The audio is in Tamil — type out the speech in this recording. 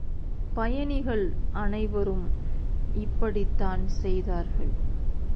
பயணிகள் அனைவரும் இப்படித்தான் செய்தார்கள்.